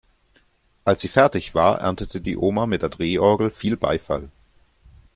Als sie fertig war, erntete die Oma mit der Drehorgel viel Beifall.